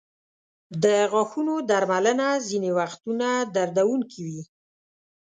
د غاښونو درملنه ځینې وختونه دردونکې وي.